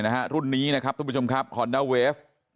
ส่วนเรื่องทางคดีนะครับตำรวจก็มุ่งไปที่เรื่องการฆาตฉิงทรัพย์นะครับ